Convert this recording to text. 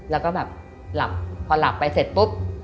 แล้วก็แบบหลับพอหลับไปเสร็จปุ๊บ